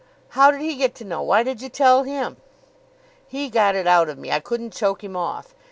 "How did he get to know? Why did you tell him?" "He got it out of me. I couldn't choke him off.